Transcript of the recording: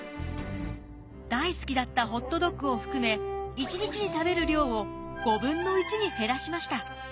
大好きだったホットドッグを含め１日に食べる量を５分の１に減らしました。